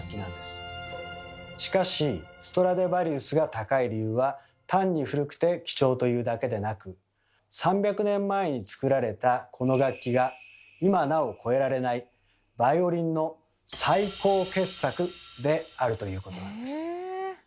しかしストラディヴァリウスが高い理由は単に古くて貴重というだけでなく３００年前に作られたこの楽器が今なお超えられないバイオリンの最高傑作であるということなんです。